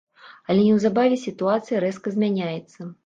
Але неўзабаве сітуацыя рэзка змяняецца.